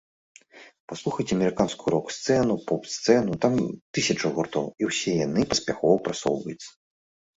Паслухайце амерыканскую рок-сцэну, поп-сцэну, там тысячы гуртоў, і ўсе яны паспяхова прасоўваюцца.